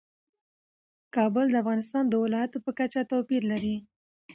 کابل د افغانستان د ولایاتو په کچه توپیر لري.